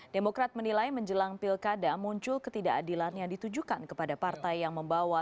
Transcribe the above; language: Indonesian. demokrat menilai menjelang pilkada muncul ketidakadilan yang ditujukan kepada partai yang membawa